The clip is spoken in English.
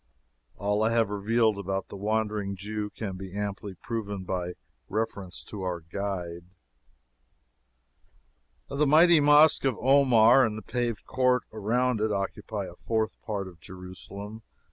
All I have revealed about the Wandering Jew can be amply proven by reference to our guide. The mighty Mosque of Omar, and the paved court around it, occupy a fourth part of Jerusalem.